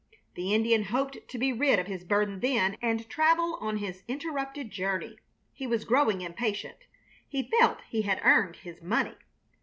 The Indian hoped to be rid of his burden then and travel on his interrupted journey. He was growing impatient. He felt he had earned his money.